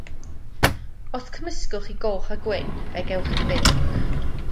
Os cymysgwch chi goch a gwyn fe gewch chi binc.